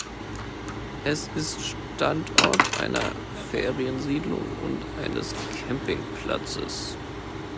Es ist Standort einer Feriensiedlung und eines Campingplatzes.